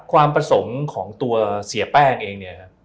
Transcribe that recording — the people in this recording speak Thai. ความประสงค์ของตัวเสียแป้งเองเนี่ยครับ